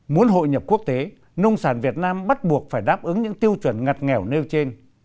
muốn hội nhập quốc tế nông sản việt nam bắt buộc phải đáp ứng những tiêu chuẩn ngặt nghèo nêu trên